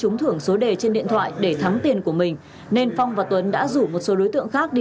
trúng thưởng số đề trên điện thoại để thắng tiền của mình nên phong và tuấn đã rủ một số đối tượng khác đi